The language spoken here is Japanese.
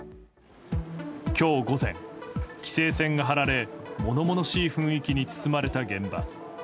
今日午前、規制線が張られ物々しい雰囲気に包まれた現場。